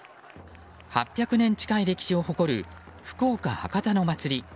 ８００年近い歴史を誇る福岡・博多の祭り